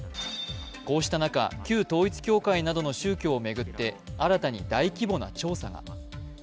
こうした中、旧統一教会などの宗教を巡って新たに大規模な調査が。